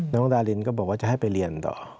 น้องดารินก็บอกว่าจะให้ไปเรียนต่อ